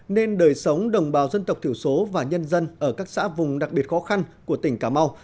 nên đời sống đồng bào dân tộc thiểu số và nhân dân ở các xã vùng đặc biệt khó khăn của tỉnh cà mau